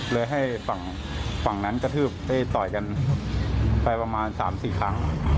เลยให้ฝั่งฝั่งนั้นกระทืบต่อยกันไปประมาณสามสี่ครั้ง